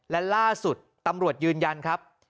และล่าสุดตำรวจยืนยันครับ